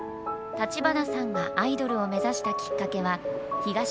橘さんがアイドルを目指したきっかけは東日本大震災。